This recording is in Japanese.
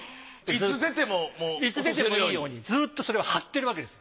いつ出てもいいようにずっとそれを張ってるわけです。